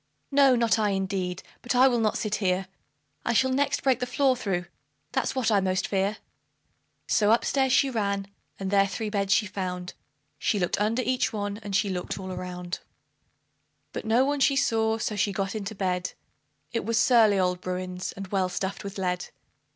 No, not I, indeed; but I will not sit here I shall next break the floor through that's what I most fear;" So up stairs she ran, and there three beds she found She looked under each one, and she looked all around; But no one she saw, so she got into bed It was surly old Bruin's, and well stuffed with lead.